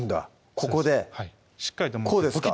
ここではいしっかりと持ってこうですか？